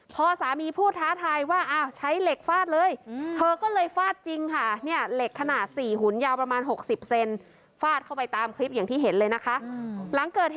พอสามีพูดท้าทายว่าอ้าวใช้เหล็กฟาดเลย